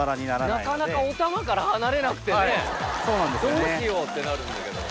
なかなかおたまから離れなくてねどうしようってなるんだけど。